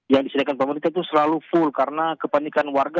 yang disediakan pemerintah itu selalu full karena kepanikan warga